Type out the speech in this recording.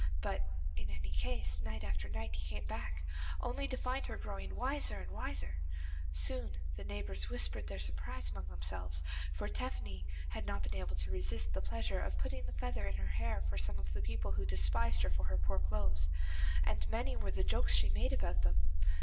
But in any case, night after night he came back, only to find her growing wiser and wiser. Soon the neighbours whispered their surprise among themselves, for Tephany had not been able to resist the pleasure of putting the feather in her hair for some of the people who despised her for her poor clothes, and many were the jokes she made about them.